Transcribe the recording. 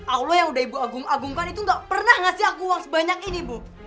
allah yang udah ibu agung agungkan itu gak pernah ngasih aku uang sebanyak ini bu